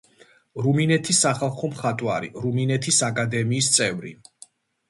რუმინეთის სახალხო მხატვარი, რუმინეთის აკადემიის წევრი.